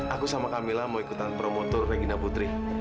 aku sama kamila mau ikutan promo tour regina putri